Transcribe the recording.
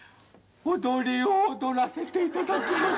踊りを踊らせていただきます。